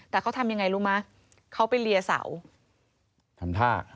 แต่เขาทำอย่างไรรู้ไหมเขาไปเรียสาว